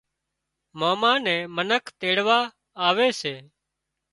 ماما نين منک تيڙوا آوي سي